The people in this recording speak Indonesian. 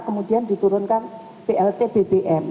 kemudian diturunkan blt bpm